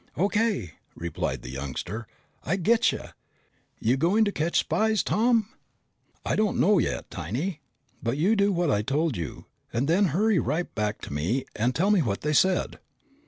"O.K.!" replied the youngster. "I getcha! You going to catch spies, Tom?" "I don't know yet, Tiny. But you do what I told you and then hurry right back to me and tell me what they said!"